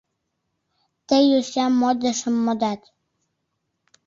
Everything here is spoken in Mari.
Тый йоча модышым модат.